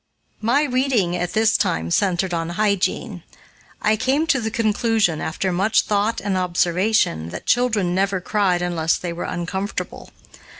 My reading, at this time, centered on hygiene. I came to the conclusion, after much thought and observation, that children never cried unless they were uncomfortable.